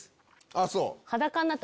あっそう？